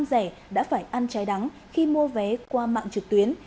không rẻ đã phải ăn cháy đắng khi mua vé qua mạng trực tuyến